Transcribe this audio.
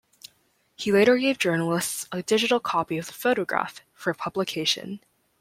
He later gave journalists a digital copy of the photograph for publication.